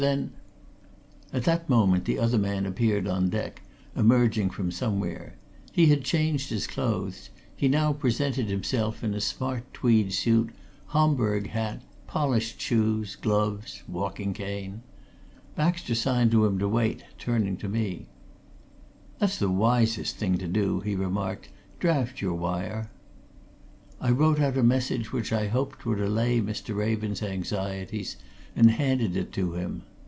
Then " At that moment the other man appeared on deck, emerging from somewhere. He had changed his clothes he now presented himself in a smart tweed suit, Homburg hat, polished shoes, gloves, walking cane. Baxter signed to him to wait, turning to me. "That's the wisest thing to do," he remarked. "Draft your wire." I wrote out a message which I hoped would allay Mr. Raven's anxieties and handed it to him.